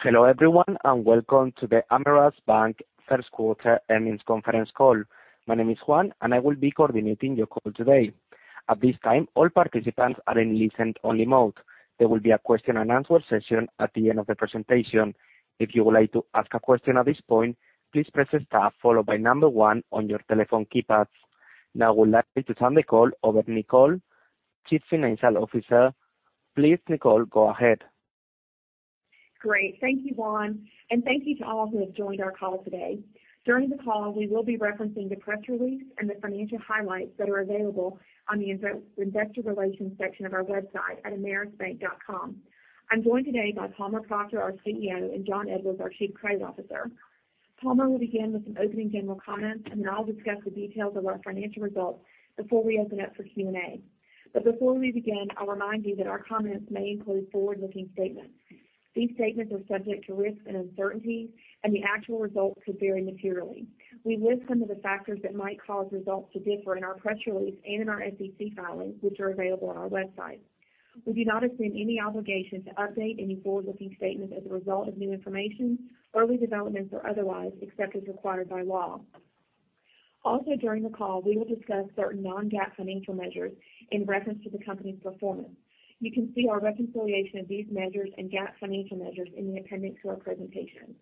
Hello, everyone, and welcome to the Ameris Bank first quarter earnings conference call. My name is Juan, and I will be coordinating your call today. At this time, all participants are in listen only mode. There will be a question and answer session at the end of the presentation. If you would like to ask a question at this point, please press star followed by number one on your telephone keypads. Now, I would like to turn the call over to Nicole, Chief Financial Officer. Please, Nicole, go ahead. Great. Thank you, Juan, and thank you to all who have joined our call today. During the call, we will be referencing the press release and the financial highlights that are available on the Investor Relations section of our website at amerisbank.com. I'm joined today by Palmer Proctor, our CEO, and Jon Edwards, our Chief Credit Officer. Palmer will begin with some opening general comments, and then I'll discuss the details of our financial results before we open up for Q&A. Before we begin, I'll remind you that our comments may include forward-looking statements. These statements are subject to risks and uncertainties, and the actual results could vary materially. We list some of the factors that might cause results to differ in our press release and in our SEC filings, which are available on our website. We do not assume any obligation to update any forward-looking statements as a result of new information, early developments or otherwise, except as required by law. Also, during the call, we will discuss certain non-GAAP financial measures in reference to the company's performance. You can see our reconciliation of these measures and GAAP financial measures in the appendix to our presentation.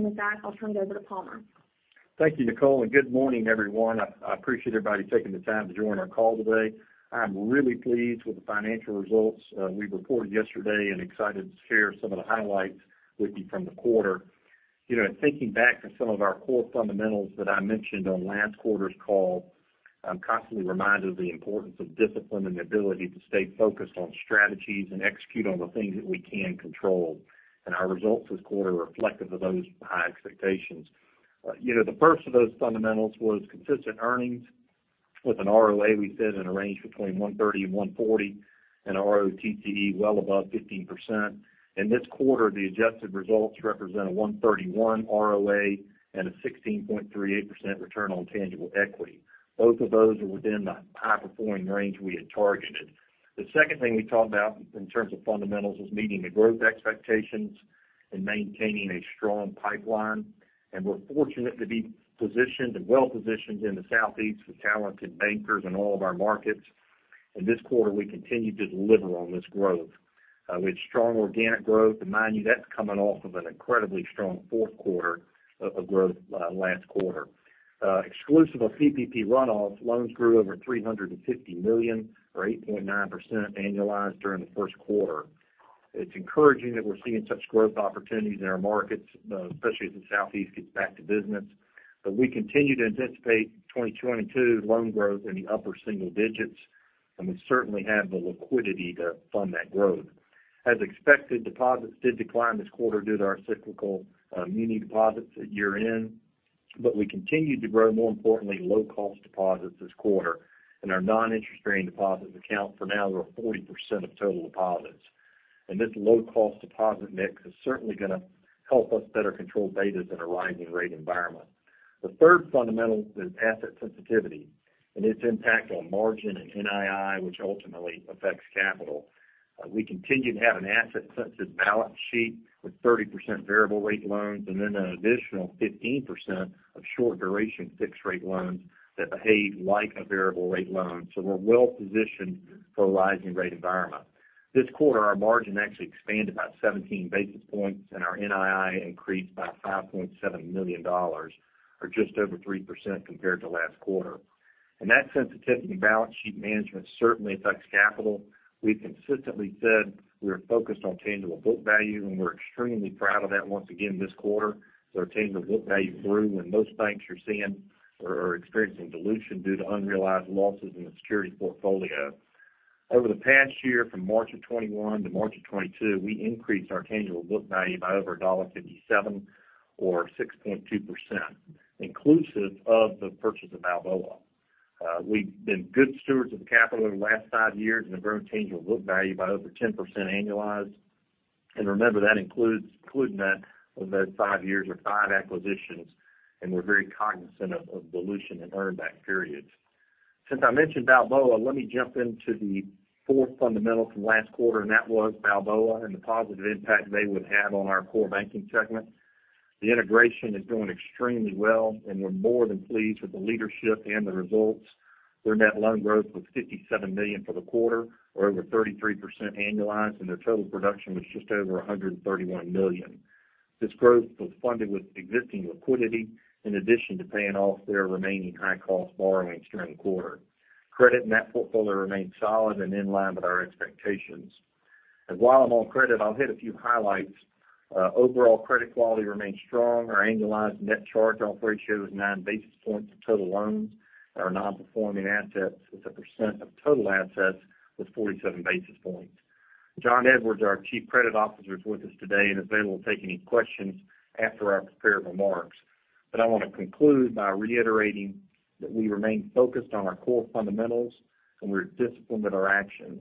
With that, I'll turn it over to Palmer. Thank you, Nicole, and good morning, everyone. I appreciate everybody taking the time to join our call today. I'm really pleased with the financial results we reported yesterday and excited to share some of the highlights with you from the quarter. You know, in thinking back to some of our core fundamentals that I mentioned on last quarter's call, I'm constantly reminded of the importance of discipline and the ability to stay focused on strategies and execute on the things that we can control, and our results this quarter are reflective of those high expectations. You know, the first of those fundamentals was consistent earnings with an ROA we said in a range between 1.30% and 1.40% and a ROTCE well above 15%. In this quarter, the adjusted results represent a 1.31 ROA and a 16.38% return on tangible equity. Both of those are within the high-performing range we had targeted. The second thing we talked about in terms of fundamentals is meeting the growth expectations and maintaining a strong pipeline. We're fortunate to be positioned and well-positioned in the southeast with talented bankers in all of our markets. This quarter, we continued to deliver on this growth, with strong organic growth. Mind you, that's coming off of an incredibly strong fourth quarter of growth last quarter. Exclusive of PPP run-off, loans grew over $350 million or 8.9% annualized during the first quarter. It's encouraging that we're seeing such growth opportunities in our markets, especially as the southeast gets back to business. We continue to anticipate 2022 loan growth in the upper single digits, and we certainly have the liquidity to fund that growth. As expected, deposits did decline this quarter due to our cyclical mini deposits at year-end, but we continued to grow, more importantly, low-cost deposits this quarter, and our non-interest-bearing deposits account for now over 40% of total deposits. This low-cost deposit mix is certainly gonna help us better control betas in a rising rate environment. The third fundamental is asset sensitivity and its impact on margin and NII, which ultimately affects capital. We continue to have an asset-sensitive balance sheet with 30% variable rate loans and then an additional 15% of short duration fixed rate loans that behave like a variable rate loan. We're well-positioned for a rising rate environment. This quarter, our margin actually expanded by 17 basis points and our NII increased by $5.7 million or just over 3% compared to last quarter. That sensitivity to balance sheet management certainly affects capital. We've consistently said we are focused on tangible book value, and we're extremely proud of that once again this quarter as our tangible book value grew when most banks are seeing or are experiencing dilution due to unrealized losses in the securities portfolio. Over the past year from March of 2021 to March of 2022, we increased our tangible book value by over $1.57 or 6.2%, inclusive of the purchase of Balboa. We've been good stewards of the capital over the last five years and have grown tangible book value by over 10% annualized. Remember, that includes that over those five years or five acquisitions, and we're very cognizant of dilution and earn back periods. Since I mentioned Balboa, let me jump into the fourth fundamental from last quarter, and that was Balboa and the positive impact they would have on our core banking segment. The integration is going extremely well, and we're more than pleased with the leadership and the results. Their net loan growth was $57 million for the quarter, or over 33% annualized, and their total production was just over $131 million. This growth was funded with existing liquidity in addition to paying off their remaining high cost borrowings during the quarter. Credit net portfolio remained solid and in line with our expectations. While I'm on credit, I'll hit a few highlights. Overall credit quality remains strong. Our annualized net charge-off ratio is 9 basis points of total loans, and our non-performing assets as a percent of total assets was 47 basis points. Jon Edwards, our Chief Credit Officer, is with us today and is available to take any questions after our prepared remarks. I want to conclude by reiterating that we remain focused on our core fundamentals, and we're disciplined with our actions.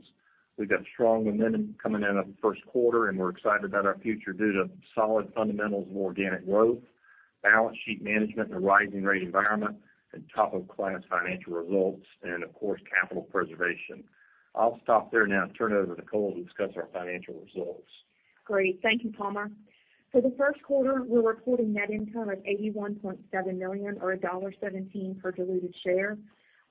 We got strong momentum coming out of the first quarter, and we're excited about our future due to solid fundamentals and organic growth, balance sheet management in a rising rate environment and top of class financial results and of course, capital preservation. I'll stop there now and turn it over to Nicole to discuss our financial results. Great. Thank you, Palmer. For the first quarter, we're reporting net income of $81.7 million or $1.17 per diluted share.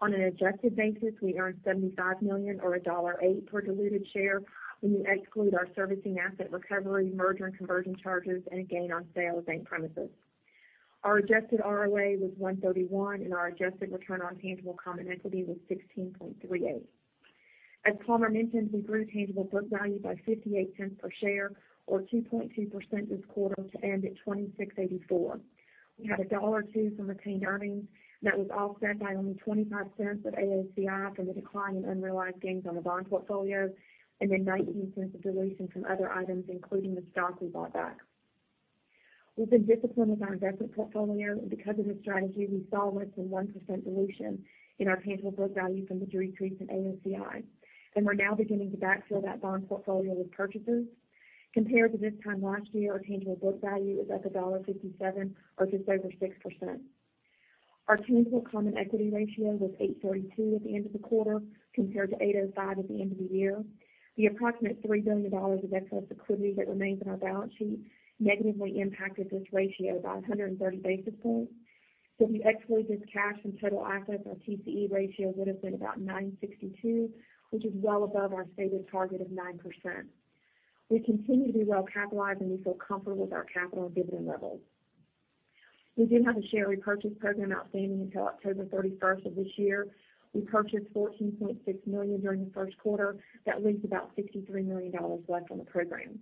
On an adjusted basis, we earned $75 million or $1.08 per diluted share when you exclude our servicing asset recovery, merger and conversion charges, and a gain on sale of bank premises. Our adjusted ROA was 1.31%, and our adjusted return on tangible common equity was 16.38%. As Palmer mentioned, we grew tangible book value by 58 cents per share or 2.2% this quarter to end at $26.84. We had $1.02 from retained earnings. That was offset by only $.25 Of AOCI from the decline in unrealized gains on the bond portfolio, and then $.19 Of dilution from other items, including the stock we bought back. We've been disciplined with our investment portfolio, and because of this strategy, we saw less than 1% dilution in our tangible book value from the decrease in AOCI. We're now beginning to backfill that bond portfolio with purchases. Compared to this time last year, our tangible book value is up $1.57 or just over 6%. Our tangible common equity ratio was 8.32% at the end of the quarter, compared to 8.05% at the end of the year. The approximate $3 billion of excess liquidity that remains on our balance sheet negatively impacted this ratio by 130 basis points. If you exclude this cash from total assets, our TCE ratio would have been about 9.62%, which is well above our stated target of 9%. We continue to be well capitalized, and we feel comfortable with our capital and dividend levels. We do have a share repurchase program outstanding until October 31st of this year. We purchased $14.6 million during the first quarter. That leaves about $63 million left on the program.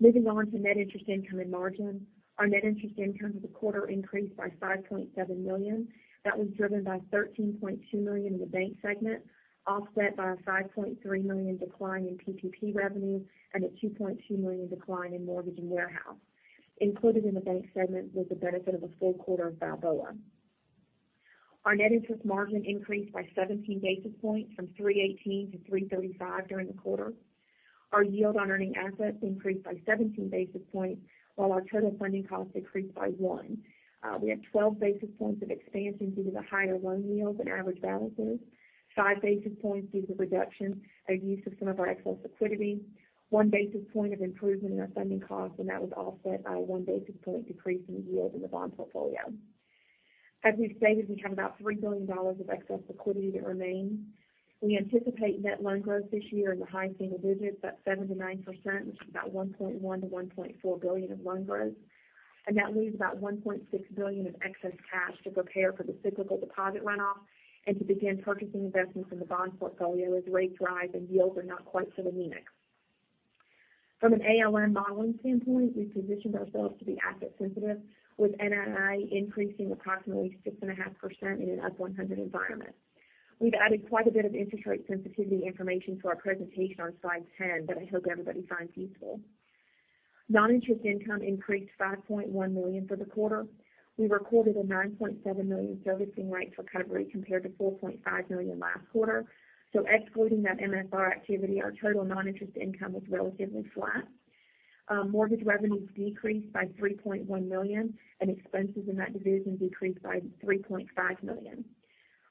Moving on to net interest income and margin. Our net interest income for the quarter increased by $5.7 million. That was driven by $13.2 million in the bank segment, offset by a $5.3 million decline in PPP revenue and a $2.2 million decline in mortgage and warehouse. Included in the bank segment was the benefit of a full quarter of Balboa. Our net interest margin increased by 17 basis points from 3.18%-3.35% during the quarter. Our yield on earning assets increased by 17 basis points, while our total funding cost decreased by one. We have 12 basis points of expansion due to the higher loan yields and average balances, 5 basis points due to the reduction of use of some of our excess liquidity, 1 basis point of improvement in our funding cost, and that was offset by 1 basis point decrease in yields in the bond portfolio. As we've stated, we have about $3 billion of excess liquidity that remains. We anticipate net loan growth this year in the high single digits, about 7%-9%, which is about $1.1 billion-$1.4 billion of loan growth. That leaves about $1.6 billion of excess cash to prepare for the cyclical deposit runoff and to begin purchasing investments in the bond portfolio as rates rise and yields are not quite so anemic. From an ALM modeling standpoint, we've positioned ourselves to be asset sensitive, with NII increasing approximately 6.5% in an up 100 environment. We've added quite a bit of interest rate sensitivity information to our presentation on slide 10 that I hope everybody finds useful. Non-interest income increased $5.1 million for the quarter. We recorded a $9.7 million servicing rights recovery compared to $4.5 million last quarter. Excluding that MSR activity, our total non-interest income was relatively flat. Mortgage revenues decreased by $3.1 million, and expenses in that division decreased by $3.5 million.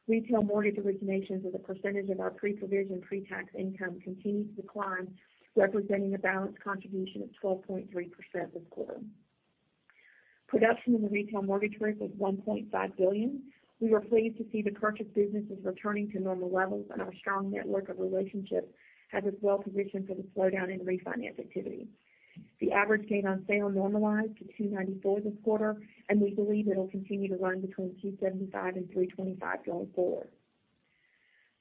Retail mortgage originations as a percentage of our pre-provision, pre-tax income continued to decline, representing a balanced contribution of 12.3% this quarter. Production in the retail mortgage group was $1.5 billion. We were pleased to see the purchase businesses returning to normal levels, and our strong network of relationships has us well-positioned for the slowdown in refinance activity. The average gain on sale normalized to $294 this quarter, and we believe it'll continue to run between $275 and $325 going forward.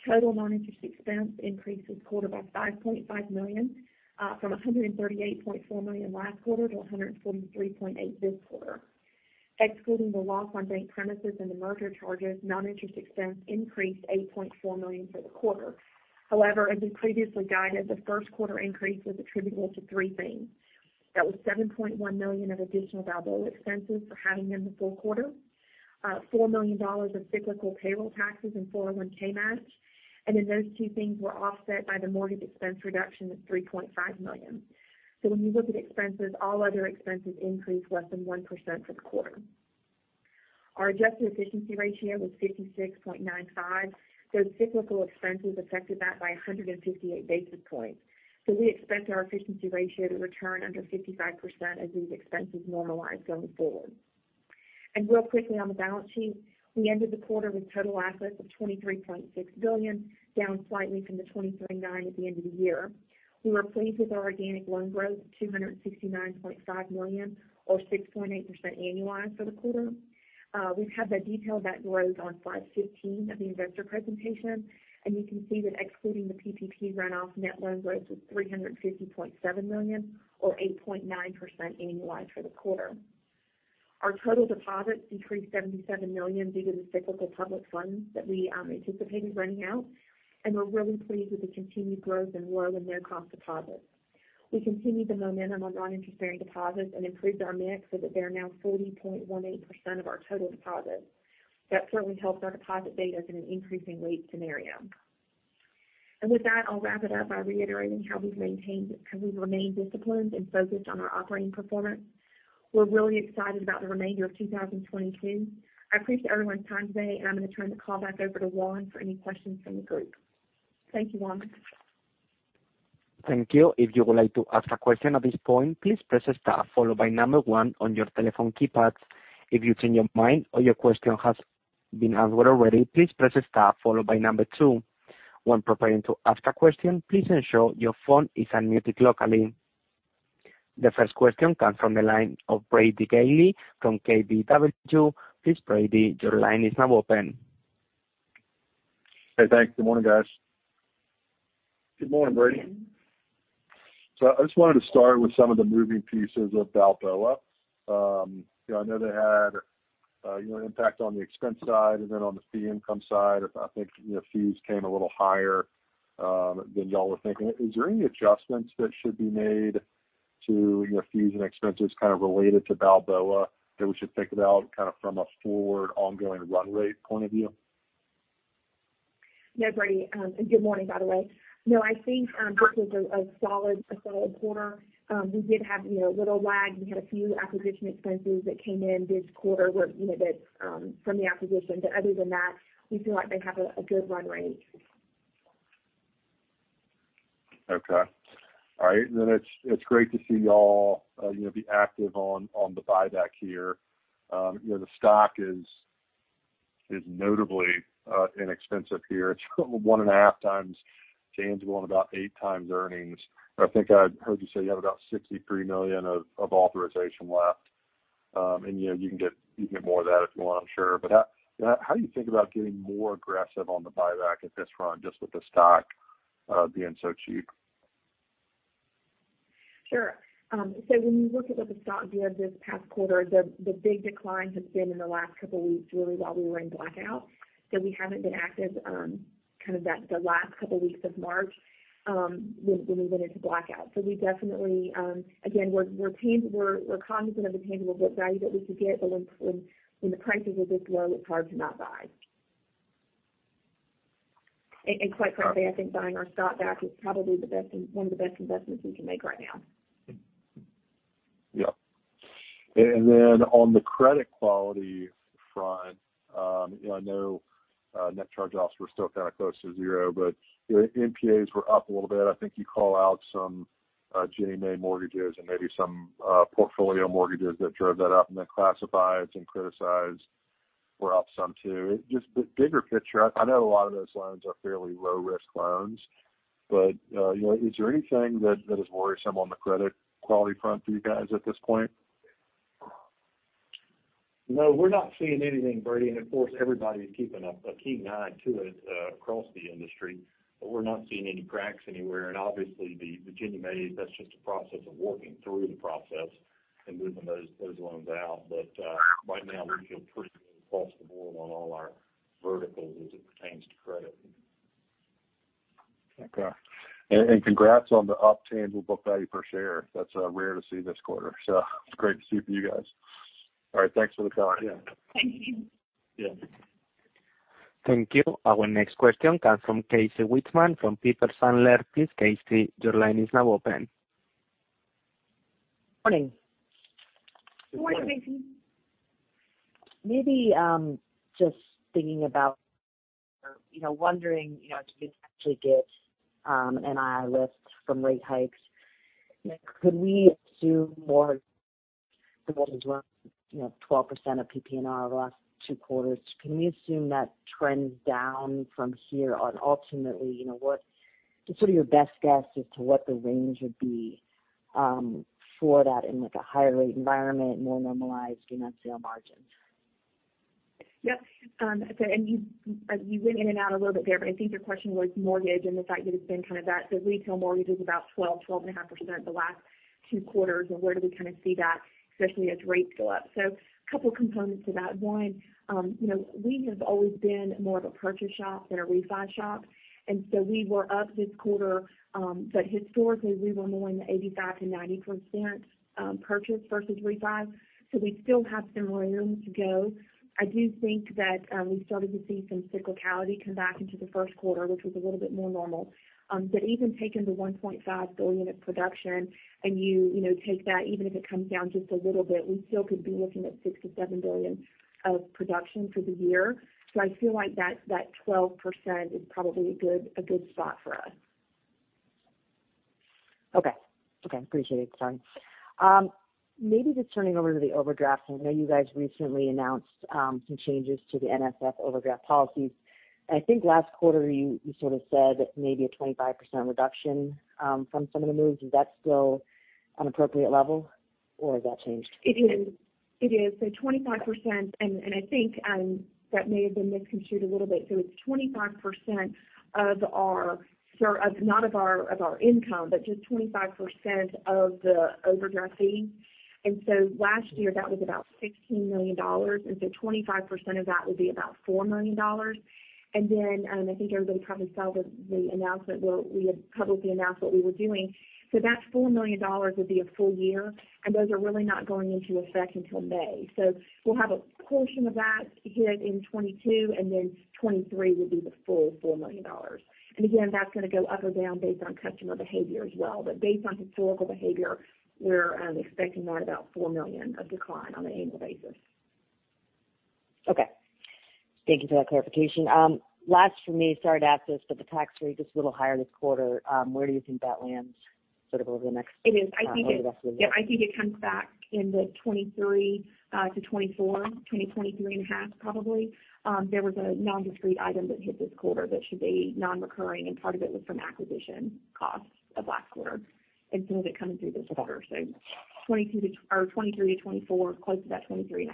Total non-interest expense increased this quarter by $5.5 million, from $138.4 million last quarter to $143.8 million this quarter. Excluding the loss on bank premises and the merger charges, non-interest expense increased $8.4 million for the quarter. However, as we previously guided, the first quarter increase was attributable to three things. That was $7.1 million of additional Balboa expenses for having them the full quarter, four million dollars of cyclical payroll taxes and 401(k) match, and then those two things were offset by the mortgage expense reduction of $3.5 million. When you look at expenses, all other expenses increased less than 1% for the quarter. Our adjusted efficiency ratio was 56.95%. Those cyclical expenses affected that by 158 basis points. We expect our efficiency ratio to return under 55% as these expenses normalize going forward. Real quickly on the balance sheet, we ended the quarter with total assets of $23.6 billion, down slightly from the $23.9 billion at the end of the year. We were pleased with our organic loan growth of $269.5 million or 6.8% annualized for the quarter. We've had the detail of that growth on slide 15 of the investor presentation, and you can see that excluding the PPP runoff, net loans growth was $350.7 million or 8.9% annualized for the quarter. Our total deposits decreased $77 million due to the cyclical public funds that we anticipated running out, and we're really pleased with the continued growth in low and no-cost deposits. We continued the momentum on non-interest-bearing deposits and improved our mix so that they are now 40.18% of our total deposits. That certainly helps our deposit betas in an increasing rate scenario. With that, I'll wrap it up by reiterating how we've remained disciplined and focused on our operating performance. We're really excited about the remainder of 2022. I appreciate everyone's time today, and I'm gonna turn the call back over to Juan for any questions from the group. Thank you, Juan. Thank you. If you would like to ask a question at this point, please press star followed by number one on your telephone keypads. If you change your mind or your question has been answered already, please press star followed by number two. When preparing to ask a question, please ensure your phone is unmuted locally. The first question comes from the line of Brady Gailey from KBW. Please, Brady, your line is now open. Hey, thanks. Good morning, guys. Good morning, Brady. I just wanted to start with some of the moving pieces of Balboa. You know, I know they had you know, impact on the expense side and then on the fee income side. I think, you know, fees came a little higher than y'all were thinking. Is there any adjustments that should be made to, you know, fees and expenses kind of related to Balboa that we should think about kind of from a forward ongoing run rate point of view? Yeah, Brady. Good morning, by the way. No, I think this was a solid quarter. We did have, you know, a little lag. We had a few acquisition expenses that came in this quarter where, you know, that from the acquisition. Other than that, we feel like they have a good run rate. It's great to see y'all, you know, be active on the buyback here. You know, the stock is notably inexpensive here. It's 1.5x tangible, going about 8x earnings. I think I heard you say you have about $63 million of authorization left. You know, you can get more of that if you want, I'm sure. How do you think about getting more aggressive on the buyback at this rate just with the stock being so cheap? Sure. When you look at what the stock did this past quarter, the big decline has been in the last couple weeks, really, while we were in blackout. We haven't been active, the last couple weeks of March, when we went into blackout. We definitely, again, we're cognizant of the tangible book value that we could get, but when the prices are this low, it's hard to not buy. And quite frankly, I think buying our stock back is probably one of the best investments we can make right now. Yeah. On the credit quality front, you know, I know net charge-offs were still kind of close to zero, but, you know, NPAs were up a little bit. I think you call out some Ginnie Mae mortgages and maybe some portfolio mortgages that drove that up, and the classifieds and criticized were up some, too. Just the bigger picture, I know a lot of those loans are fairly low risk loans, but, you know, is there anything that is worrisome on the credit quality front for you guys at this point? No, we're not seeing anything, Brady. Of course, everybody's keeping a keen eye to it across the industry. We're not seeing any cracks anywhere. Obviously the Ginnie Mae, that's just a process of working through the process and moving those loans out. Right now we feel pretty good across the board on all our verticals as it pertains to credit. Okay. Congrats on the up tangible book value per share. That's rare to see this quarter. It's great to see for you guys. All right, thanks for the call. Yeah. Thank you. Yeah. Thank you. Our next question comes from Casey Whitman from Piper Sandler. Please, Casey, your line is now open. Morning. Good morning, Casey. Maybe, just thinking about, you know, wondering, you know, if you could actually get a yield lift from rate hikes. Could we assume more than what is worth, you know, 12% of PPNR over the last two quarters? Can we assume that trends down from here on ultimately, you know, just sort of your best guess as to what the range would be, for that in, like, a higher rate environment, more normalized gain on sale margins? Yep. You, like, you went in and out a little bit there, but I think your question was mortgage and the fact that it's been kind of that. Retail mortgage is about 12.5% the last two quarters and where do we kinda see that, especially as rates go up. A couple components to that. One, you know, we have always been more of a purchase shop than a refi shop, and so we were up this quarter. Historically, we were more in the 85%-90% purchase versus refi. We still have some room to go. I do think that we started to see some cyclicality come back into the first quarter, which was a little bit more normal. Even taking the $1.5 billion of production and you know take that, even if it comes down just a little bit, we still could be looking at $6 billion-$7 billion of production for the year. I feel like that 12% is probably a good spot for us. Okay, appreciate it. Sorry. Maybe just turning over to the overdraft. I know you guys recently announced some changes to the NSF overdraft policies. I think last quarter you sorta said maybe a 25% reduction from some of the moves. Is that still an appropriate level or has that changed? It is. 25%, and I think that may have been misconstrued a little bit. It's 25% of our income, but just 25% of the overdraft fee. Last year, that was about $16 million. 25% of that would be about $4 million. Then, I think everybody probably saw the announcement where we had publicly announced what we were doing. That $4 million would be a full year, and those are really not going into effect until May. We'll have a portion of that hit in 2022, and then 2023 will be the full $4 million. Again, that's gonna go up or down based on customer behavior as well. Based on historical behavior, we're expecting right about $4 million of decline on an annual basis. Okay. Thank you for that clarification. Last for me, sorry to ask this, but the tax rate just a little higher this quarter, where do you think that lands sort of over the next? It is. I think it. Over the rest of the year. Yeah, I think it comes back in the 2023-2024, 23.5probably. There was a non-discrete item that hit this quarter that should be non-recurring, and part of it was from acquisition costs of last quarter, and some of it coming through this quarter. 22-23 to 24, close to that 23.5.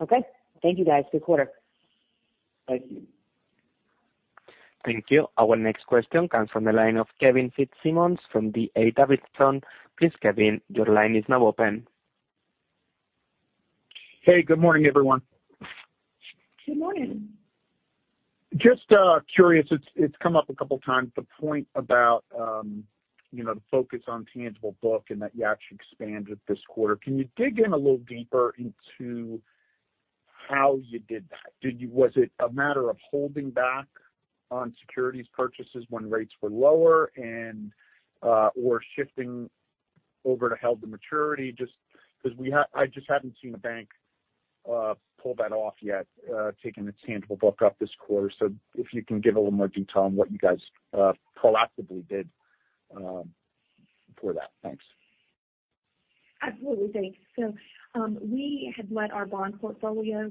Okay. Thank you, guys. Good quarter. Thank you. Thank you. Our next question comes from the line of Kevin Fitzsimmons from the D.A. Davidson. Please, Kevin, your line is now open. Hey, good morning, everyone. Good morning. Just curious, it's come up a couple of times, the point about, you know, the focus on tangible book and that you actually expanded this quarter. Can you dig in a little deeper into how you did that? Was it a matter of holding back on securities purchases when rates were lower and, or shifting over to held to maturity? Just because I just haven't seen a bank pull that off yet, taking the tangible book up this quarter. If you can give a little more detail on what you guys proactively did, for that. Thanks. Absolutely. Thanks. We had let our bond portfolio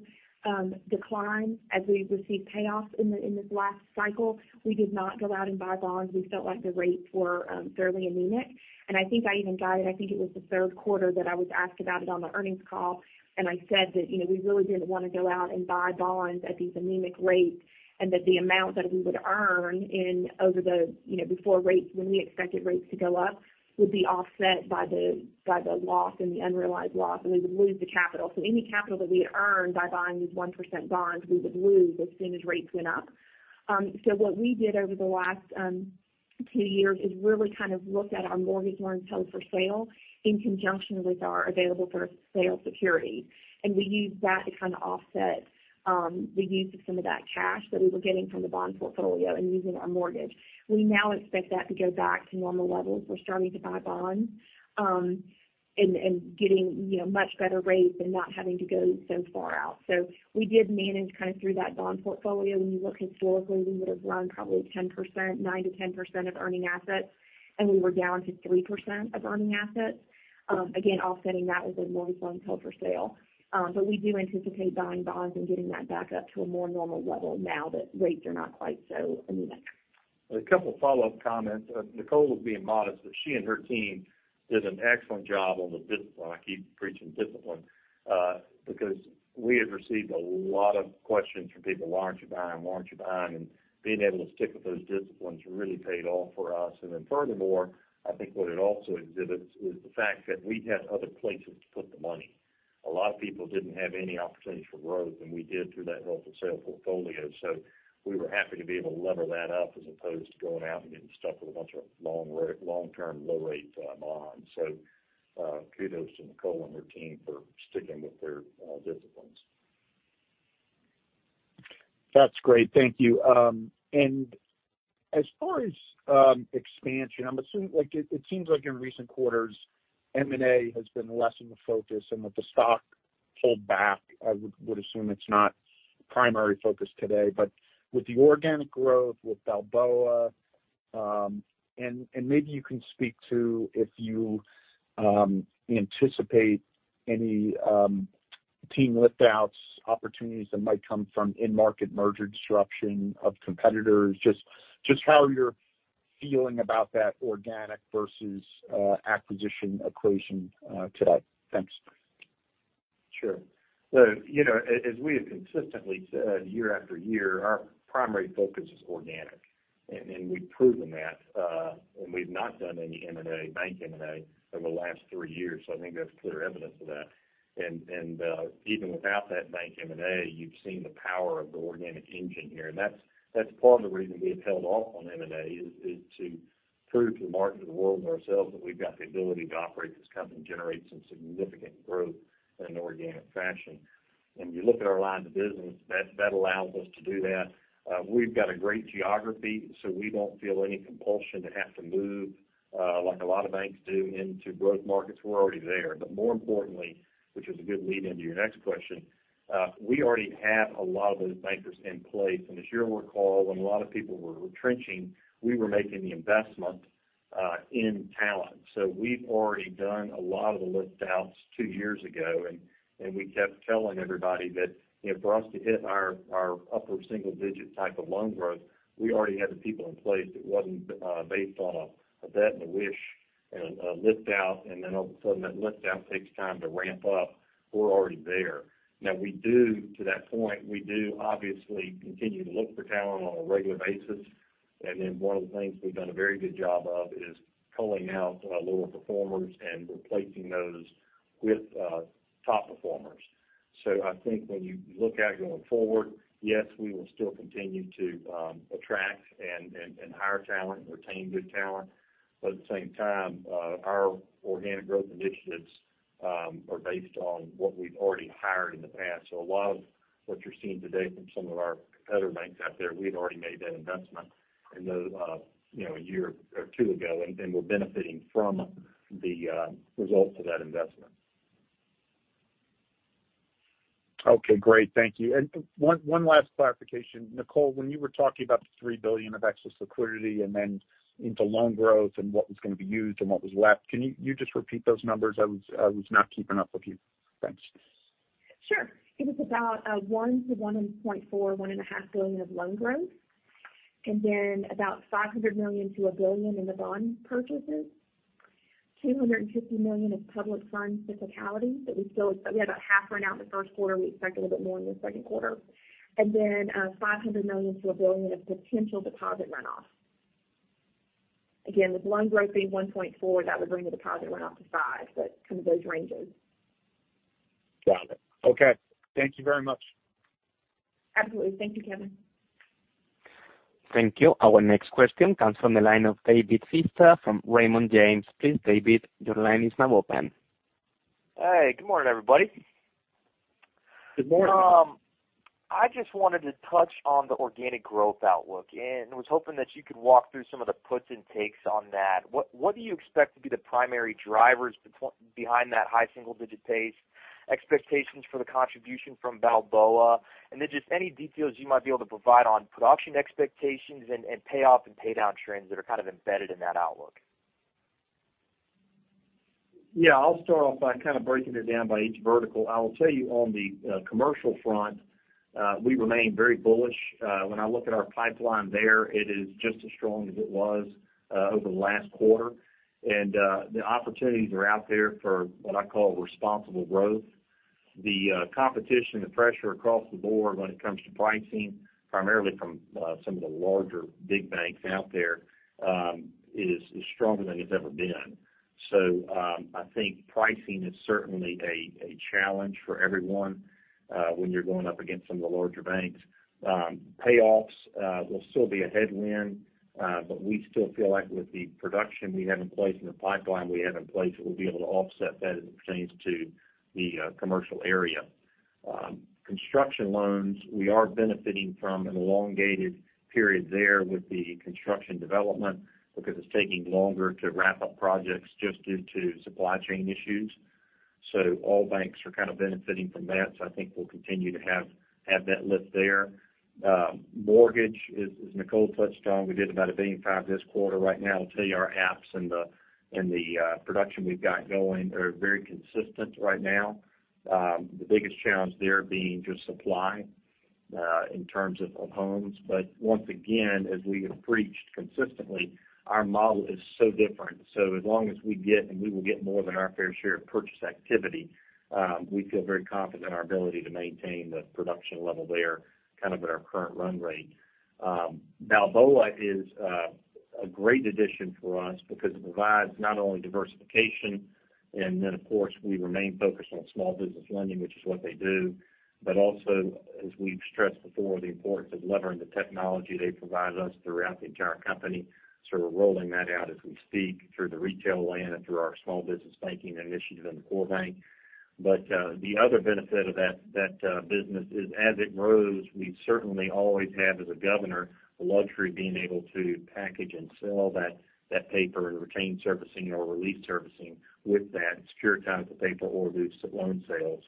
decline as we received payoffs in this last cycle. We did not go out and buy bonds. We felt like the rates were fairly anemic. I think I even guided, I think it was the third quarter that I was asked about it on the earnings call, and I said that, you know, we really didn't want to go out and buy bonds at these anemic rates, and that the amount that we would earn in over the, you know, before rates, when we expected rates to go up, would be offset by the loss and the unrealized loss, and we would lose the capital. Any capital that we had earned by buying these 1% bonds, we would lose as soon as rates went up. What we did over the last two years is really kind of looked at our mortgage loans held for sale in conjunction with our available for sale security. We used that to kind of offset the use of some of that cash that we were getting from the bond portfolio and using our mortgage. We now expect that to go back to normal levels. We're starting to buy bonds and getting, you know, much better rates and not having to go so far out. We did manage kind of through that bond portfolio. When you look historically, we would have run probably 10%, 9%-10% of earning assets, and we were down to 3% of earning assets. Again, offsetting that with a mortgage loan held for sale. We do anticipate buying bonds and getting that back up to a more normal level now that rates are not quite so anemic. A couple follow-up comments. Nicole was being modest, but she and her team did an excellent job on the discipline. I keep preaching discipline, because we have received a lot of questions from people, why aren't you buying, why aren't you buying? Being able to stick with those disciplines really paid off for us. Furthermore, I think what it also exhibits is the fact that we've had other places to put the money. A lot of people didn't have any opportunities for growth, and we did through that held for sale portfolio. We were happy to be able to lever that up as opposed to going out and getting stuck with a bunch of long-term low rate bonds. Kudos to Nicole and her team for sticking with their disciplines. That's great. Thank you. As far as expansion, I'm assuming, like, it seems like in recent quarters, M&A has been less of a focus and with the stock pulled back, I would assume it's not primary focus today. With the organic growth, with Balboa, and maybe you can speak to if you anticipate any team lift outs, opportunities that might come from in-market merger disruption of competitors, just how you're feeling about that organic versus acquisition equation today. Thanks. Sure. You know, as we have consistently said year-after-year, our primary focus is organic, and we've proven that, and we've not done any M&A, bank M&A in the last three years, so I think that's clear evidence of that. Even without that bank M&A, you've seen the power of the organic engine here, and that's part of the reason we have held off on M&A is to prove to the market and the world and ourselves that we've got the ability to operate this company and generate some significant growth in an organic fashion. When you look at our lines of business, that allows us to do that. We've got a great geography, so we don't feel any compulsion to have to move, like a lot of banks do into growth markets. We're already there. More importantly, which is a good lead into your next question, we already have a lot of those bankers in place. As you'll recall, when a lot of people were retrenching, we were making the investment in talent. We've already done a lot of the lift outs two years ago, and we kept telling everybody that, you know, for us to hit our upper single digit type of loan growth, we already had the people in place. It wasn't based on a bet and a wish and a lift out, and then all of a sudden that lift out takes time to ramp up. We're already there. Now we do, to that point, we do obviously continue to look for talent on a regular basis. One of the things we've done a very good job of is culling out lower performers and replacing those with top performers. I think when you look out going forward, yes, we will still continue to attract and hire talent and retain good talent. At the same time, our organic growth initiatives are based on what we've already hired in the past. A lot of what you're seeing today from some of our competitor banks out there, we had already made that investment in the you know, a year or two ago, and we're benefiting from the results of that investment. Okay, great. Thank you. One last clarification. Nicole, when you were talking about the $3 billion of excess liquidity and then into loan growth and what was gonna be used and what was left, can you just repeat those numbers? I was not keeping up with you. Thanks. Sure. It was about $1-$1.4 billion, $1.5 billion of loan growth, and then about $500 million-$1 billion in the bond purchases, $250 million of public funds we had about half run out in the first quarter. We expect a little bit more in the second quarter. $500 million to $1 billion of potential deposit runoff. Again, with loan growth being 1.4, that would bring the deposit runoff to $500 million, but kind of those ranges. Got it. Okay. Thank you very much. Absolutely. Thank you, Kevin. Thank you. Our next question comes from the line of David Feaster from Raymond James. Please, David, your line is now open. Hey, good morning, everybody. Good morning. I just wanted to touch on the organic growth outlook and was hoping that you could walk through some of the puts and takes on that. What do you expect to be the primary drivers behind that high single-digit pace, expectations for the contribution from Balboa, and then just any details you might be able to provide on production expectations and payoff and pay down trends that are kind of embedded in that outlook? Yeah. I'll start off by kind of breaking it down by each vertical. I will tell you on the commercial front, we remain very bullish. When I look at our pipeline there, it is just as strong as it was over the last quarter. The opportunities are out there for what I call responsible growth. The competition, the pressure across the board when it comes to pricing, primarily from some of the larger big banks out there, is stronger than it's ever been. I think pricing is certainly a challenge for everyone when you're going up against some of the larger banks. Payoffs will still be a headwind, but we still feel like with the production we have in place and the pipeline we have in place, we'll be able to offset that as it pertains to the commercial area. Construction loans, we are benefiting from an elongated period there with the construction development because it's taking longer to wrap up projects just due to supply chain issues. All banks are kind of benefiting from that, so I think we'll continue to have that lift there. Mortgage, as Nicole touched on, we did about $1.5 billion this quarter right now. I'll tell you, our apps and the production we've got going are very consistent right now. The biggest challenge there being just supply in terms of homes. Once again, as we have preached consistently, our model is so different. As long as we get, and we will get more than our fair share of purchase activity, we feel very confident in our ability to maintain the production level there kind of at our current run rate. Balboa is a great addition for us because it provides not only diversification and then of course we remain focused on small business lending, which is what they do, but also, as we've stressed before, the importance of leveraging the technology they provide us throughout the entire company. We're rolling that out as we speak through the retail lending and through our small business banking initiative in the core bank. The other benefit of that business is as it grows, we certainly always have as a governor the luxury of being able to package and sell that paper and retain servicing or release servicing with that, securitize the paper or do syndicated loan sales.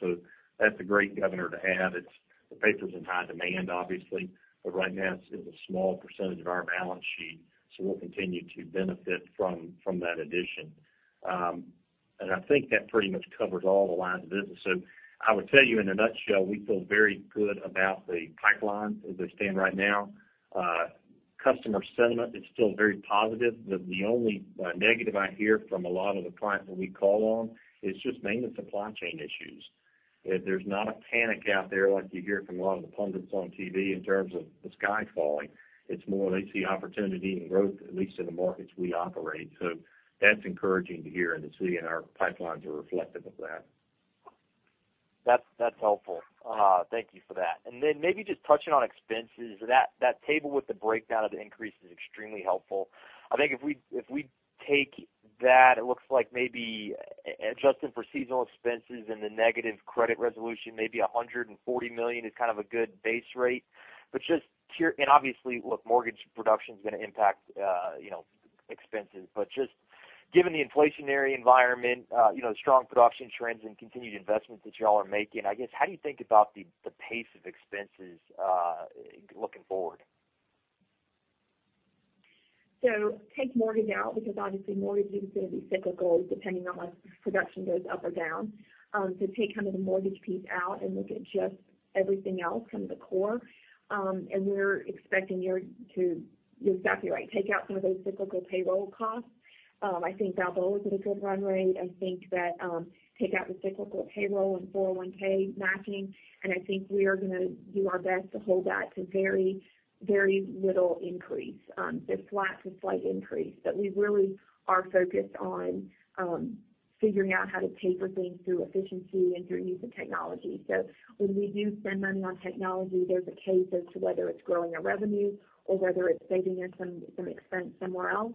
That's a great governor to have. It's the paper's in high demand obviously, but right now it's a small percentage of our balance sheet, so we'll continue to benefit from that addition. I think that pretty much covers all the lines of business. I would tell you in a nutshell, we feel very good about the pipeline as it stands right now. Customer sentiment is still very positive. The only negative I hear from a lot of the clients that we call on is just mainly supply chain issues. There's not a panic out there like you hear from a lot of the pundits on TV in terms of the sky falling. It's more they see opportunity and growth, at least in the markets we operate. That's encouraging to hear and to see, and our pipelines are reflective of that. That's helpful. Thank you for that. Maybe just touching on expenses. That table with the breakdown of the increase is extremely helpful. I think if we take that, it looks like maybe adjusting for seasonal expenses and the negative credit resolution, maybe $140 million is kind of a good base rate. Just and obviously, look, mortgage production's gonna impact, you know, expenses. Just given the inflationary environment, you know, the strong production trends and continued investments that y'all are making, I guess, how do you think about the pace of expenses looking forward? Take mortgage out, because obviously mortgage is gonna be cyclical depending on whether production goes up or down. Take kind of the mortgage piece out and look at just everything else, kind of the core. You're exactly right. Take out some of those cyclical payroll costs. I think Balboa's at a good run rate. I think that, take out the cyclical payroll and 401(k) matching, and I think we are gonna do our best to hold that to very, very little increase, if flat to slight increase. We really are focused on figuring out how to taper things through efficiency and through use of technology. When we do spend money on technology, there's a case as to whether it's growing our revenue or whether it's saving us some expense somewhere else,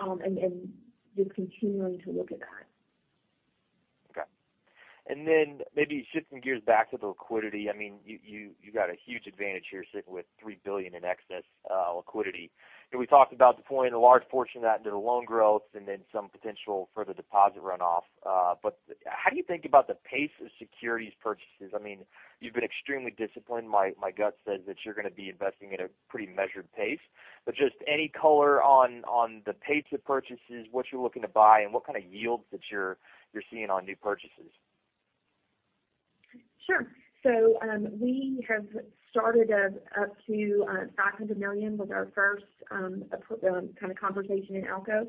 and just continuing to look at that. Okay. Maybe shifting gears back to the liquidity. I mean, you got a huge advantage here sitting with $3 billion in excess liquidity. We talked about deploying a large portion of that into the loan growth and then some potential for the deposit runoff. How do you think about the pace of securities purchases? I mean, you've been extremely disciplined. My gut says that you're gonna be investing at a pretty measured pace. Just any color on the pace of purchases, what you're looking to buy, and what kind of yields that you're seeing on new purchases. Sure. We have started up to $500 million with our first kind of conversation in ALCO.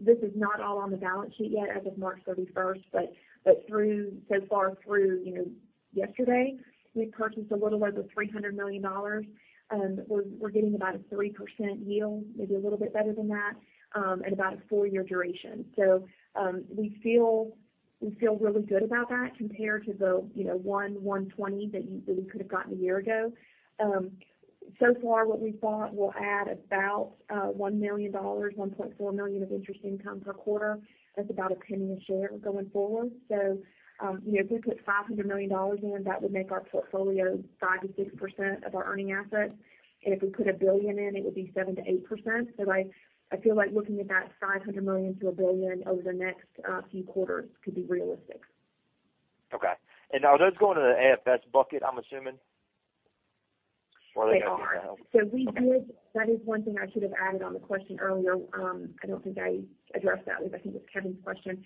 This is not all on the balance sheet yet as of March 31st. So far, through yesterday, you know, we've purchased a little over $300 million. We're getting about a 3% yield, maybe a little bit better than that, and about a four-year duration. We feel really good about that compared to the, you know, 1.20 that we could have gotten a year ago. So far what we've bought will add about $1 million, $1.4 million of interest income per quarter. That's about $0.01 a share going forward. You know, if we put $500 million in, that would make our portfolio 5%-6% of our earning assets. If we put $1 billion in, it would be 7%-8%. I feel like looking at that $500 million-$1 billion over the next few quarters could be realistic. Okay. Are those going to the AFS bucket, I'm assuming? They are. That is one thing I should have added on the question earlier. I don't think I addressed that, which I think was Kevin's question.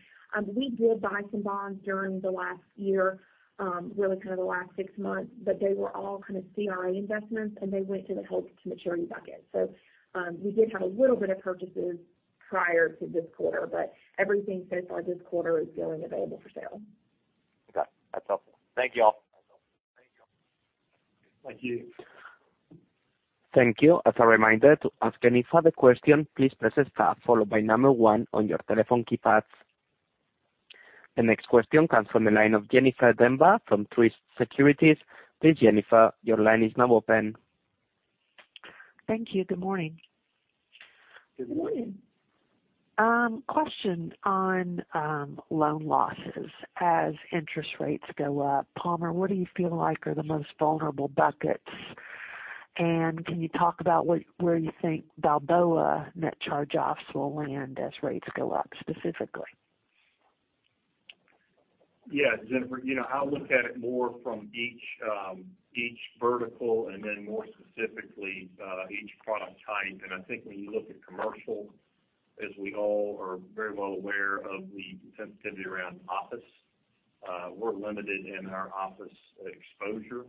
We did buy some bonds during the last year, really kind of the last six months, but they were all kind of CRA investments, and they went to the held-to-maturity bucket. We did have a little bit of purchases prior to this quarter, but everything so far this quarter is going available for sale. Okay. That's helpful. Thank you all. Thank you. Thank you. As a reminder to ask any further question, please press star followed by number one on your telephone keypads. The next question comes from the line of Jennifer Demba from Truist Securities. Please, Jennifer, your line is now open. Thank you. Good morning. Good morning. Question on loan losses as interest rates go up. Palmer, what do you feel like are the most vulnerable buckets? Can you talk about where you think Balboa net charge-offs will land as rates go up specifically? Yeah. Jennifer, you know, I look at it more from each vertical and then more specifically, each product type. I think when you look at commercial, as we all are very well aware of the sensitivity around office, we're limited in our office exposure.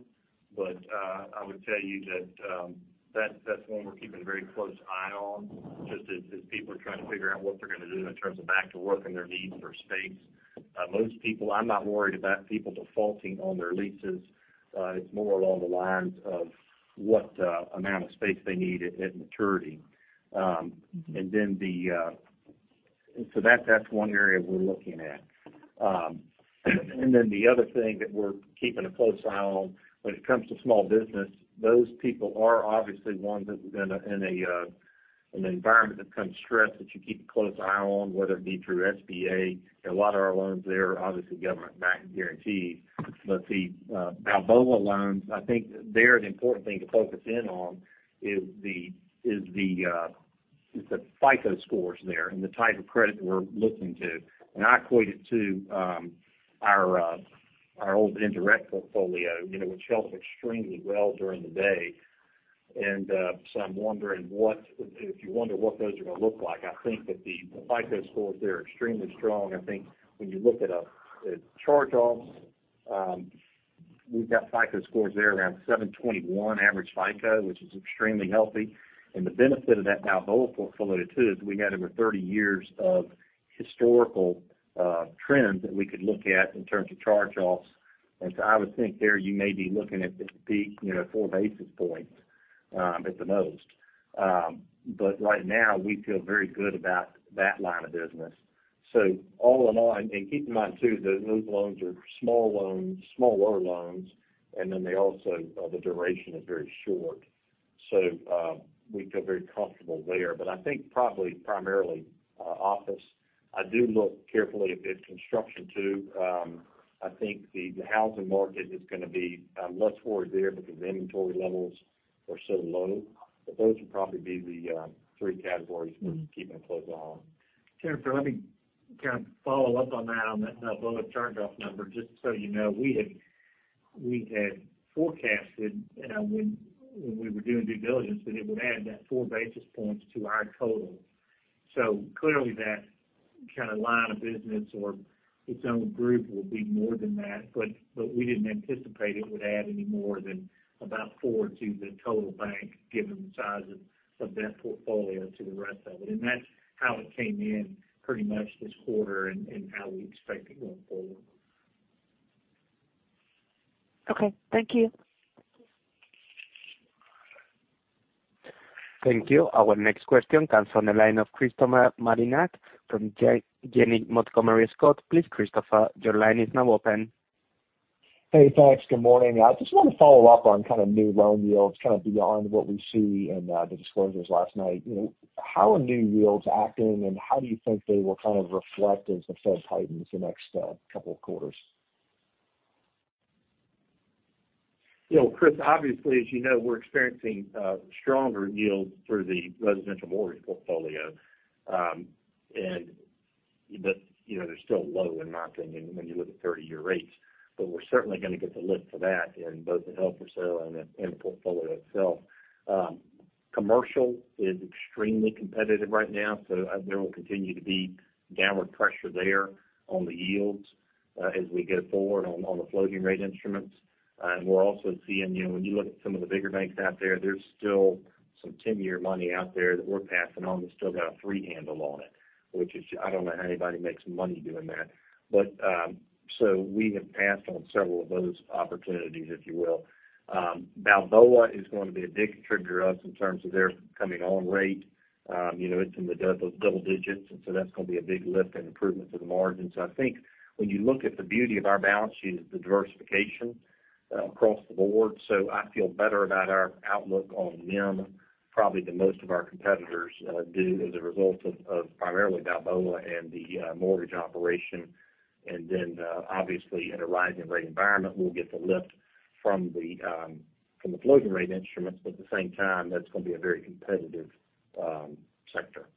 I would tell you that that's one we're keeping a very close eye on, just as people are trying to figure out what they're gonna do in terms of back to work and their needs for space. Most people, I'm not worried about people defaulting on their leases. It's more along the lines of what amount of space they need at maturity. That's one area we're looking at. The other thing that we're keeping a close eye on when it comes to small business, those people are obviously ones that in an environment that becomes stressed, that you keep a close eye on, whether it be through SBA. A lot of our loans there are obviously government-backed guarantees. But the Balboa loans, I think there, the important thing to focus in on is the FICO scores there and the type of credit we're looking to. I equate it to our old indirect portfolio, you know, which held extremely well during the day. I'm wondering what if you wonder what those are gonna look like, I think that the FICO scores there are extremely strong. I think when you look at charge-offs, we've got FICO scores there around 721 average FICO, which is extremely healthy. The benefit of that Balboa portfolio too is we had over 30 years of historical trends that we could look at in terms of charge-offs. I would think there you may be looking at the peak, you know, 4 basis points at the most. Right now, we feel very good about that line of business. All in all, keep in mind too that those loans are small loans, smaller loans, and then they also, the duration is very short. We feel very comfortable there. I think probably primarily office. I do look carefully at construction too. I think the housing market is gonna be a lot slower there because the inventory levels are so low. Those would probably be the three categories we're keeping a close eye on. Jennifer, let me kind of follow up on that, on that Balboa charge-off number. Just so you know, we had forecasted when we were doing due diligence that it would add that 4 basis points to our total. Clearly that kind of line of business or its own group will be more than that, but we didn't anticipate it would add any more than about four to the total bank, given the size of that portfolio to the rest of it. That's how it came in pretty much this quarter and how we expect it going forward. Okay. Thank you. Thank you. Our next question comes from the line of Christopher Marinac from Janney Montgomery Scott. Please, Christopher, your line is now open. Hey, thanks. Good morning. I just want to follow up on kind of new loan yields, kind of beyond what we see in the disclosures last night. You know, how are new yields acting, and how do you think they will kind of reflect as the Fed tightens the next couple of quarters? You know, Chris, obviously, as you know, we're experiencing stronger yields through the residential mortgage portfolio. You know, they're still low in my opinion when you look at 30-year rates. We're certainly gonna get the lift for that in both the held for sale and the portfolio itself. Commercial is extremely competitive right now, so there will continue to be downward pressure there on the yields as we go forward on the floating rate instruments. We're also seeing, you know, when you look at some of the bigger banks out there's still some 10-year money out there that we're passing on that's still got a three handle on it, which is. I don't know how anybody makes money doing that. We have passed on several of those opportunities, if you will. Balboa is going to be a big contributor to us in terms of their coming on rate. You know, it's in the double digits, and so that's gonna be a big lift and improvement to the margins. I think when you look at the beauty of our balance sheet is the diversification, across the board. I feel better about our outlook on NIM probably than most of our competitors do as a result of primarily Balboa and the mortgage operation. Obviously, in a rising rate environment, we'll get the lift from the floating rate instruments. At the same time, that's gonna be a very competitive sector.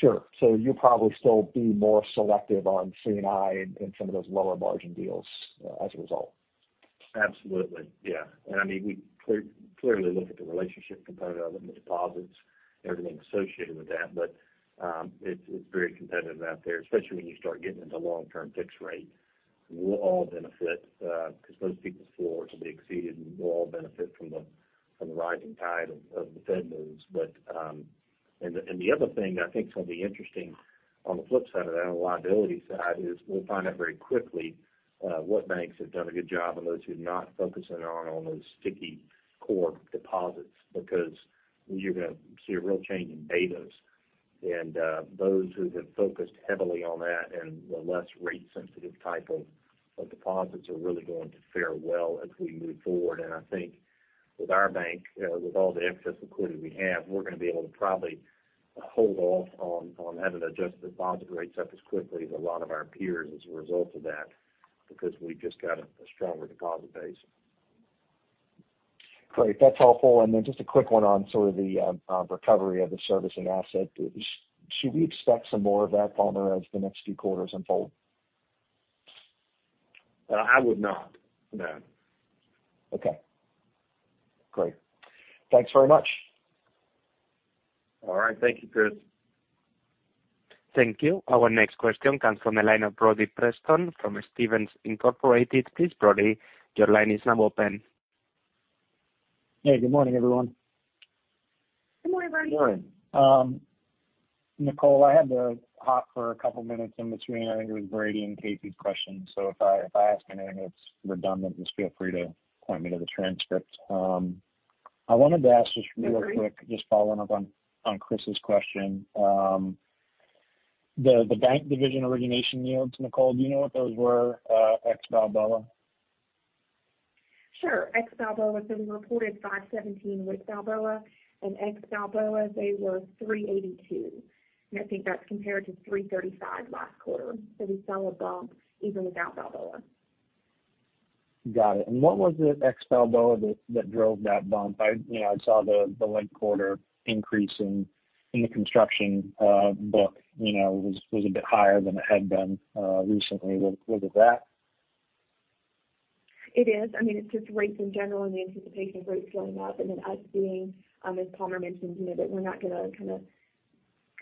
Sure. You'll probably still be more selective on C&I in some of those lower margin deals, as a result? Absolutely, yeah. I mean, we clearly look at the relationship component of it and the deposits and everything associated with that. It's very competitive out there, especially when you start getting into long-term fixed rate. We'll all benefit because most people's floors will be exceeded, and we'll all benefit from the rising tide of the Fed moves. And the other thing that I think will be interesting on the flip side of that, on the liability side, is we'll find out very quickly what banks have done a good job and those who've not focusing on those sticky core deposits. Because you're gonna see a real change in betas. Those who have focused heavily on that and the less rate sensitive type of deposits are really going to fare well as we move forward. I think with our bank, with all the excess liquidity we have, we're gonna be able to probably hold off on having to adjust the deposit rates up as quickly as a lot of our peers as a result of that, because we've just got a stronger deposit base. Great. That's helpful. Then just a quick one on sort of the recovery of the servicing asset. Should we expect some more of that, Palmer, as the next few quarters unfold? I would not. No. Okay. Great. Thanks very much. All right. Thank you, Chris. Thank you. Our next question comes from the line of Brody Preston from Stephens Inc. Please, Brody, your line is now open. Hey, good morning, everyone. Good morning, Brody. Good morning. Nicole, I had to hop for a couple minutes in between. I think it was Brady and Casey's question. If I ask anything that's redundant, just feel free to point me to the transcript. I wanted to ask just really quick, just following up on Chris' question. The bank division origination yields, Nicole, do you know what those were, ex Balboa? Sure. Ex Balboa, we reported $517 with Balboa. Ex Balboa, they were $382. I think that's compared to $335 last quarter. We saw a bump even without Balboa. Got it. What was it ex Balboa that drove that bump? You know, I saw the last quarter increase in the construction book was a bit higher than it had been recently. Was it that? It is. I mean, it's just rates in general and the anticipation of rates going up and then us being, as Palmer mentioned, you know, that we're not gonna kind of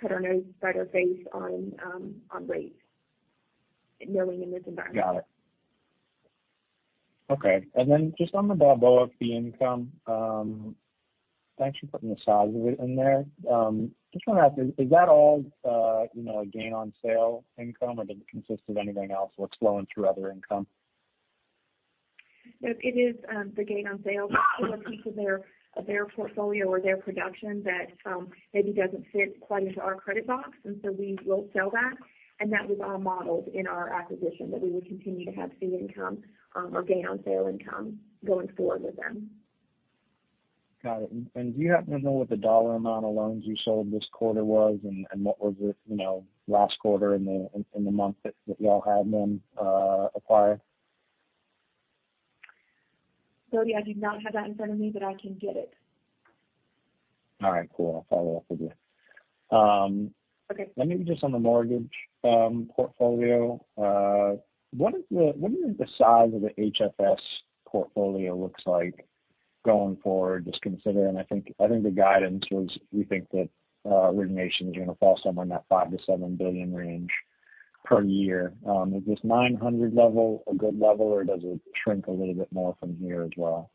cut our nose to spite our face on rates, you know, in this environment. Got it. Okay. Just on the Balboa fee income, thanks for putting the size of it in there. Just wanna ask, is that all, you know, a gain on sale income, or does it consist of anything else what's flowing through other income? No, it is the gain on sale. There's still a piece of their portfolio or their production that maybe doesn't fit quite into our credit box, and so we will sell that. That was all modeled in our acquisition, that we would continue to have fee income or gain on sale income going forward with them. Got it. Do you happen to know what the dollar amount of loans you sold this quarter was, and what was it, you know, last quarter in the month that y'all had them acquired? Brody, I do not have that in front of me, but I can get it. All right, cool. I'll follow up with you. Okay. Let me just on the mortgage portfolio. What is the size of the HFS portfolio looks like going forward, just considering I think the guidance was we think that origination is gonna fall somewhere in that $5 billion-$7 billion range per year. Is this 900 level a good level, or does it shrink a little bit more from here as well?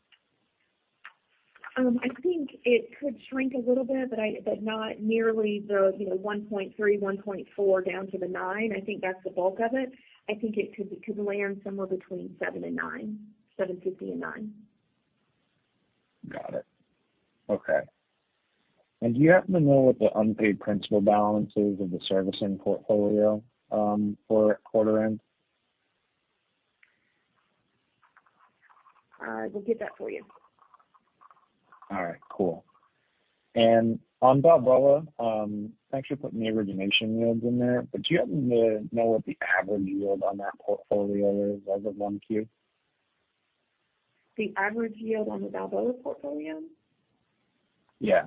I think it could shrink a little bit, but not nearly, you know, 1.3%, 1.4% down to the 9%. I think that's the bulk of it. I think it could land somewhere between 7% and 9%, 7.50% and 9%. Got it. Okay. Do you happen to know what the unpaid principal balance is of the servicing portfolio, for quarter end? We'll get that for you. All right, cool. On Balboa, thanks for putting the origination yields in there, but do you happen to know what the average yield on that portfolio is as of 1Q? The average yield on the Balboa portfolio? Yeah.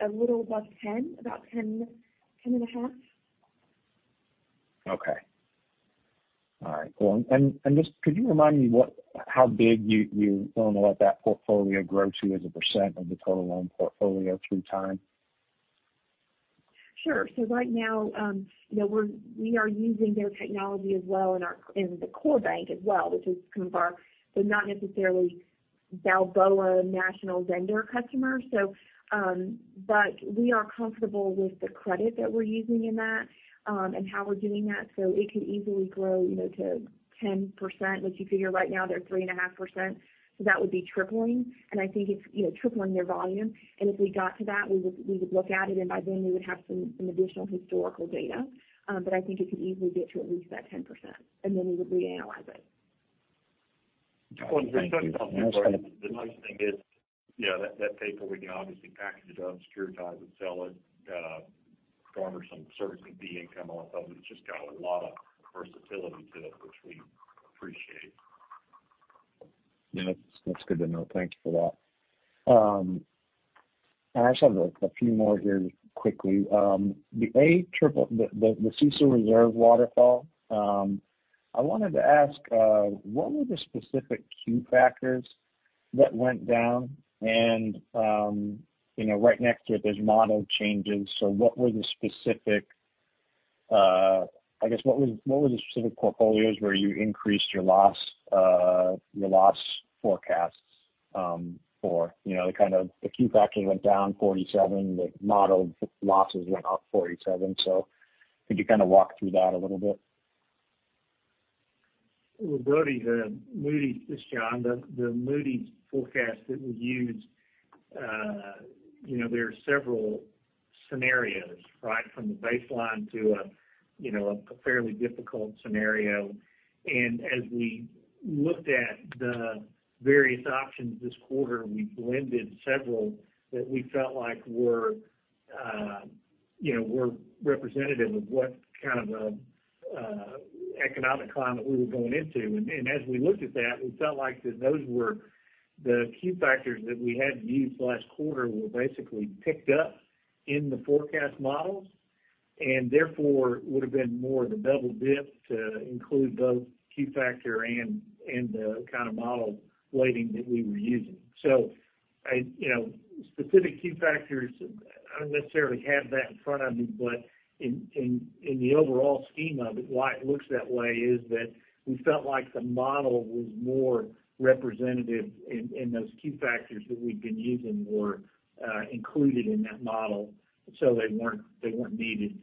A little above 10, about 10.5. Okay. All right, cool. Just could you remind me how big you wanna let that portfolio grow to as a % of the total loan portfolio through time? Sure. Right now, you know, we are using their technology as well in the core bank as well. Which is kind of our but not necessarily Balboa national vendor customers. But we are comfortable with the credit that we're using in that, and how we're doing that. It could easily grow, you know, to 10%, which you figure right now they're 3.5%. That would be tripling. I think it's, you know, tripling their volume. If we got to that, we would look at it, and by then we would have some additional historical data. But I think it could easily get to at least that 10%, and then we would reanalyze it. Thank you. Well, to touch on that part, the nice thing is, you know, that paper, we can obviously package it up, securitize it, sell it, garner some servicing fee income off of. It's just got a lot of versatility to it, which we appreciate. Yeah. That's good to know. Thank you for that. I just have a few more here quickly. The CECL reserve waterfall, I wanted to ask, what were the specific Q factors that went down and, you know, right next to it, there's model changes. So what were the specific, I guess what was the specific portfolios where you increased your loss forecasts, you know, the kind of the Q factor went down 47, the modeled losses went up 47. So could you kind of walk through that a little bit? Well, Brody, this is John. The Moody's forecast that we use, you know, there are several scenarios, right? From the baseline to a, you know, a fairly difficult scenario. As we looked at the various options this quarter, we blended several that we felt like were, you know, were representative of what kind of a economic climate we were going into. As we looked at that, we felt like those were the Q factors that we hadn't used last quarter were basically picked up in the forecast models and therefore would've been more of a double dip to include both Q factor and the kind of model weighting that we were using. I, you know, specific Q factors, I don't necessarily have that in front of me, but in the overall scheme of it, why it looks that way is that we felt like the model was more representative and those Q factors that we'd been using were included in that model. They weren't needed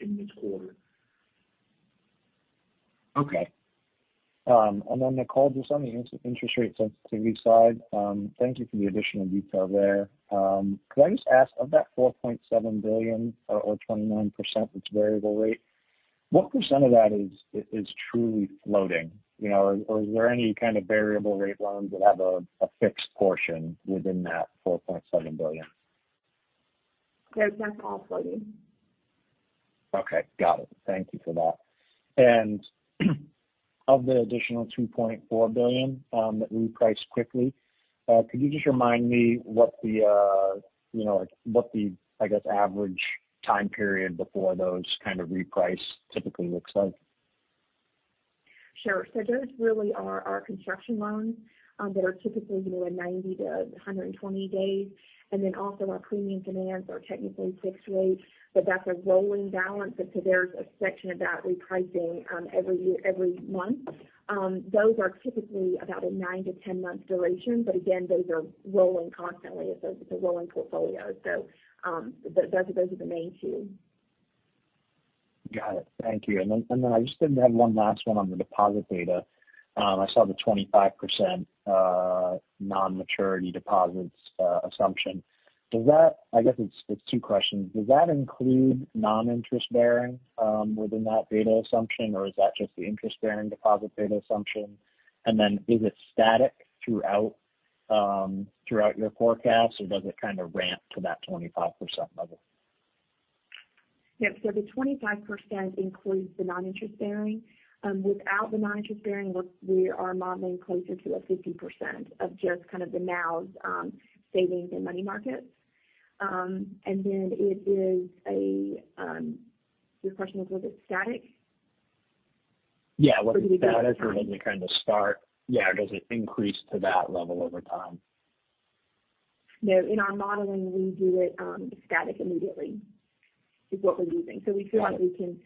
in this quarter. Okay. Nicole, just on the interest rate sensitivity side, thank you for the additional detail there. Could I just ask, of that $4.7 billion or 29% that's variable rate, what percent of that is truly floating, you know? Is there any kind of variable rate loans that have a fixed portion within that $4.7 billion? Yeah. That's all floating. Okay. Got it. Thank you for that. Of the additional $2.4 billion that repriced quickly, could you just remind me what the, you know, I guess, average time period before those kind of reprice typically looks like? Sure. Those really are our construction loans, that are typically, you know, 90-120 days. Then also our premium demands are technically fixed rate, but that's a rolling balance, and so there's a section of that repricing every year, every month. Those are typically about a 9-10-month duration, but again, those are rolling constantly. It's a rolling portfolio. Those are the main two. Got it. Thank you. I just did have one last one on the deposit data. I saw the 25% non-maturity deposits assumption. I guess it's two questions. Does that include non-interest-bearing within that beta assumption, or is that just the interest-bearing deposit beta assumption? Is it static throughout your forecast, or does it kind of ramp to that 25% level? Yep. The 25% includes the non-interest bearing. Without the non-interest bearing we are modeling closer to a 50% of just kind of the now, savings and money markets. Your question was it static? Yeah. Was it static or does it kind of start? Yeah. Or does it increase to that level over time? No, in our modeling, we do it static immediately, is what we're using. We feel like we can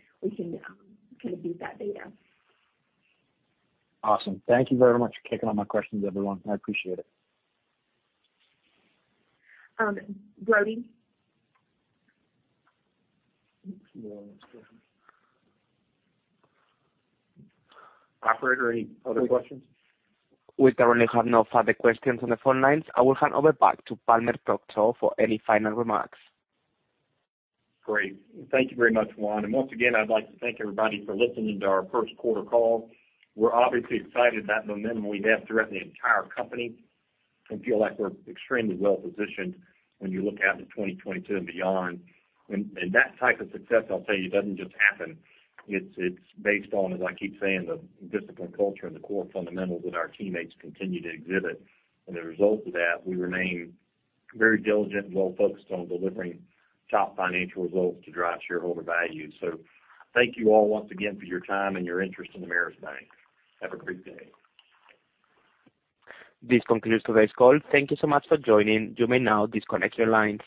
kind of beat that data. Awesome. Thank you very much for taking all my questions, everyone. I appreciate it. Brody. Operator, any other questions? We currently have no further questions on the phone lines. I will hand over back to Palmer Proctor for any final remarks. Great. Thank you very much, Juan. Once again, I'd like to thank everybody for listening to our first quarter call. We're obviously excited about the momentum we have throughout the entire company and feel like we're extremely well-positioned when you look out to 2022 and beyond. That type of success, I'll tell you, doesn't just happen. It's based on, as I keep saying, the disciplined culture and the core fundamentals that our teammates continue to exhibit. A result of that, we remain very diligent and well focused on delivering top financial results to drive shareholder value. Thank you all once again for your time and your interest in Ameris Bank. Have a great day. This concludes today's call. Thank you so much for joining. You may now disconnect your lines.